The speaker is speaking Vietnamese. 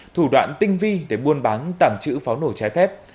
thủ đoạn tinh vi để buôn bán tảng chữ pháo nổ trái phép